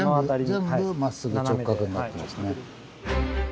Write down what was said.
全部まっすぐ直角になってますね。